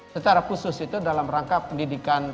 secara khusus itu dalam rangka pendidikan